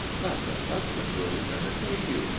"But her husband will return and pay you.